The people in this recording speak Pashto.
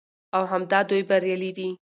او همدا دوى بريالي دي